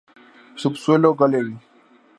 Subsuelo Galerie.